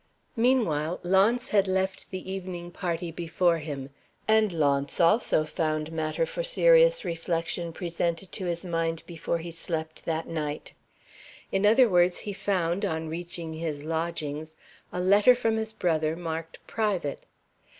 Meanwhile, Launce had left the evening party before him and Launce also found matter for serious reflection presented to his mind before he slept that night. In other words, he found, on reaching his lodgings, a letter from his brother marked "private."